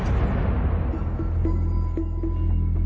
มีความรู้สึกว่ามีความรู้สึกว่า